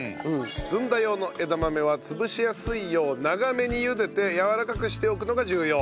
ずんだ用の枝豆は潰しやすいよう長めに茹でてやわらかくしておくのが重要。